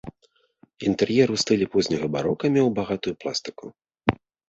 Інтэр'ер у стылі позняга барока меў багатую пластыку.